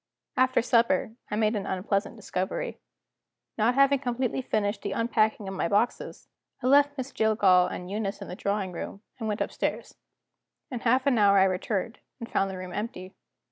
After supper, I made an unpleasant discovery. Not having completely finished the unpacking of my boxes, I left Miss Jillgall and Eunice in the drawing room, and went upstairs. In half an hour I returned, and found the room empty.